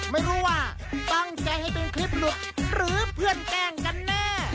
ไม่รู้ว่าตั้งใจให้เป็นคลิปหลุดหรือเพื่อนแกล้งกันแน่